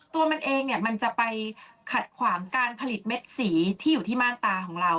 ตัวมันเองเนี่ยมันจะไปขัดขวางการผลิตเม็ดสีที่อยู่ที่ม่านตาของเรา